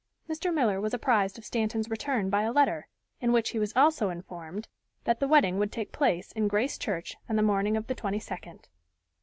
Mr. Miller was apprised of Stanton's return by a letter, in which he was also informed that the wedding would take place in Grace Church on the morning of the 22d.